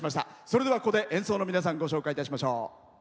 それでは、ここで演奏の皆さんご紹介いたしましょう。